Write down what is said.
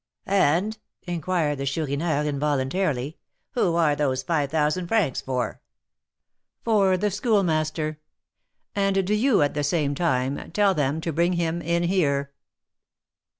"And," inquired the Chourineur, involuntarily, "who are those five thousand francs for?" "For the Schoolmaster. And do you, at the same time, tell them to bring him in here."